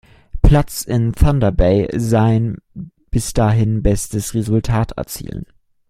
Platz in Thunder Bay sein bis dahin bestes Resultat erzielen.